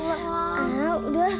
masa termasuk hai hai